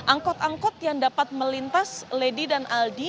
angkot angkot yang dapat melintas lady dan aldi